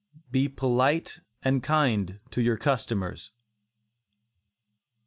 BE POLITE AND KIND TO YOUR CUSTOMERS.